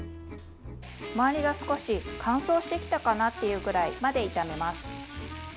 周りが少し乾燥してきたかなというくらいまで炒めます。